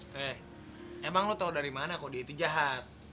hei emang lu tahu dari mana kok dia itu jahat